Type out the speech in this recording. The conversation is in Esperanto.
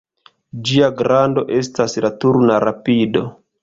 Ĝia grando estas la turna rapido.